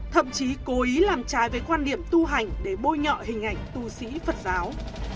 thậm chí cố ý làm trái với quan điểm tu hành để bôi nhọ hình ảnh tù sĩ phật giáo